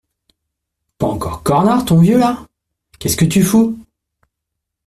Pas encore cornard, ton vieux, là ? Qu’est-ce que tu fous ?